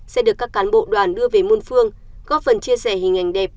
sẽ được các cán bộ đoàn đưa về môn phương góp phần chia sẻ hình ảnh đẹp